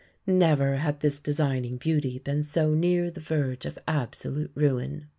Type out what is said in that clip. Never had this designing beauty been so near the verge of absolute ruin.